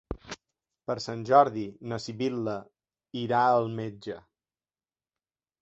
Per Sant Jordi na Sibil·la irà al metge.